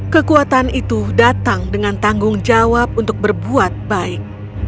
kekuatan itu datang dengan tanggung jawab untuk berbuat baik